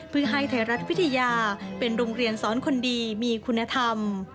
เพื่อให้ไทยรัฐวิทยาเป็นโรงเรียนสอนคนดีมีคุณธรรม